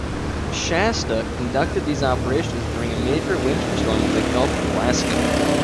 "Shasta" conducted these operations during a major winter storm in the Gulf of Alaska.